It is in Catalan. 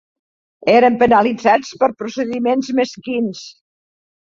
Eren penalitzats per procediments mesquins